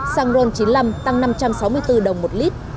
xăng ron chín mươi năm tăng năm trăm sáu mươi bốn đồng một lít